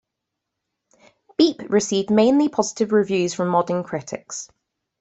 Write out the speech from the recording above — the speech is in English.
"Beep" received mainly positive reviews from modern critics.